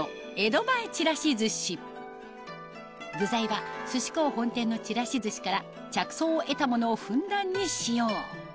具材は寿司幸本店のちらし寿司から着想を得たものをふんだんに使用